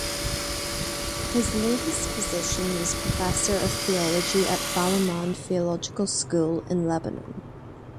His latest position was Professor of Theology at Balamand Theological School, in Lebanon.